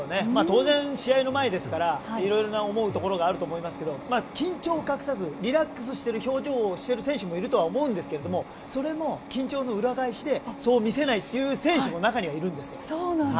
当然、試合の前ですから色々思うところがあると思いますが緊張を隠さずリラックスしている表情をしている選手もいるとは思うんですがそれも緊張の裏返しでそう見せないという選手も中にはいるんですよ。